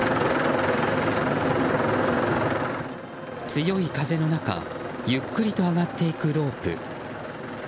強い風の中ゆっくりと上がっていくロープ。